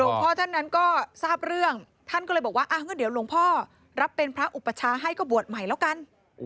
พ่อท่านนั้นก็ทราบเรื่องท่านก็เลยบอกว่างั้นเดี๋ยวหลวงพ่อรับเป็นพระอุปชาให้ก็บวชใหม่แล้วกัน